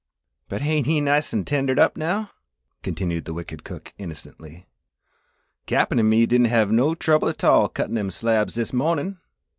"But hain't he nice an' tendered up now," continued the wicked cook, innocently. "Cap'n an' me didn' have no trouble a tall cuttin' them slabs dis _mawn_in'.